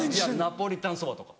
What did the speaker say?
ナポリタンそばとか。